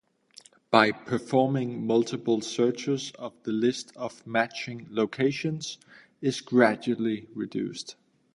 By performing multiple searches the list of matching locations is gradually reduced.